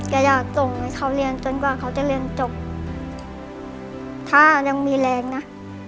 อยากส่งให้เขาเรียนจนกว่าเขาจะเรียนจบถ้ายังมีแรงนะ